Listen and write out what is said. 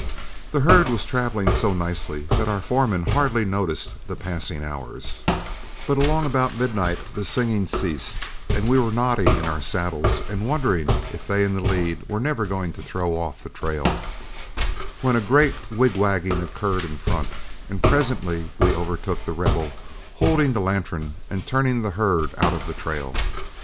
The herd was traveling so nicely that our foreman hardly noticed the passing hours, but along about midnight the singing ceased, and we were nodding in our saddles and wondering if they in the lead were never going to throw off the trail, when a great wig wagging occurred in front, and presently we overtook The Rebel, holding the lantern and turning the herd out of the trail.